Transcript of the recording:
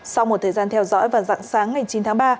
sau một thời gian theo dõi và dặn sáng ngày chín tháng ba